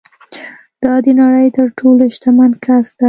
دا د نړۍ تر ټولو شتمن کس ده